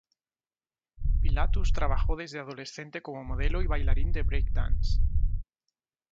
Pilatus trabajó desde adolescente como modelo y bailarín de breakdance.